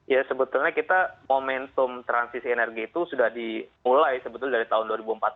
ya sebetulnya kita momentum transisi energi itu sudah dimulai sebetulnya dari tahun dua ribu empat belas